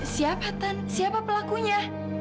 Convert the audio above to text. siapa tan siapa pelakunya